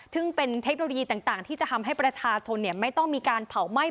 ซึ่งเป็นเทคโนโลยีต่างที่จะทำให้ประชาชนไม่ต้องมีการเผาไหม้